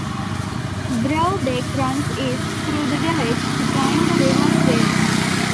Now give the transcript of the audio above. Brough Beck runs east through the village to join the River Swale.